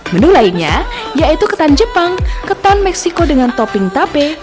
menu lainnya yaitu ketan jepang ketan meksiko dengan topping tape